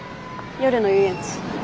夜の遊園地。